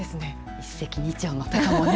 一石二鳥のたかもね。